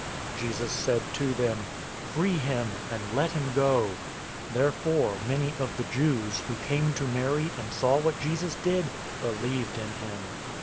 Jesus said to them, "Free him, and let him go." 011:045 Therefore many of the Jews, who came to Mary and saw what Jesus did, believed in him.